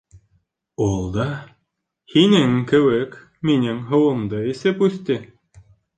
...Ул да, һинең кеүек, минең һыуымды эсеп үҫте.